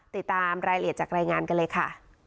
ติดตามรายละเอียดจากรายงานกันเลยค่ะ